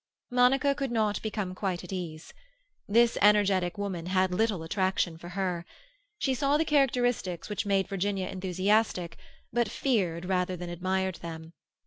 Monica could not become quite at ease. This energetic woman had little attraction for her. She saw the characteristics which made Virginia enthusiastic, but feared rather than admired them.